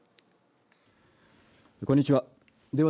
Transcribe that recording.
こんにちは。